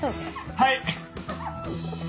はい！